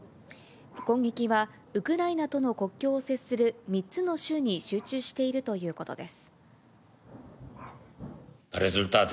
攻撃はウクライナとの国境を接する３つの州に集中しているということです。